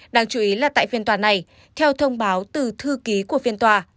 đáng chú ý là tại phiên tòa này theo thông báo từ thư ký của phiên tòa